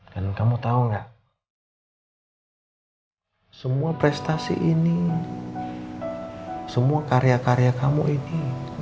dan kamu tahu enggak semua prestasi ini semua karya karya kamu ini